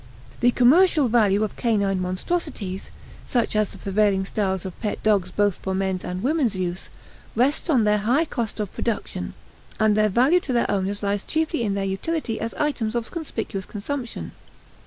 The commercial value of canine monstrosities, such as the prevailing styles of pet dogs both for men's and women's use, rests on their high cost of production, and their value to their owners lies chiefly in their utility as items of conspicuous consumption.